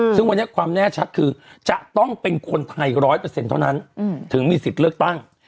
ซึ่งวันนี้ความแน่ชัดคือจะต้องเป็นคนไทย๑๐๐เท่านั้นถึงมีสิทธิ์เลือกตั้ง